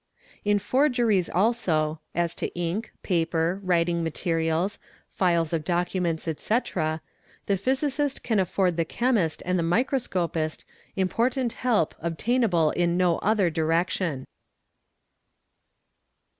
In forgeries also (as to ink, paper, writing materials, files of docu ments, etc.) the physicist can afford the chemist and the microscopist important help obtainable in no other direction.